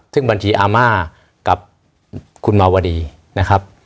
ซึ่งบัญชีอาม่ากับคุณมาวดีนะครับ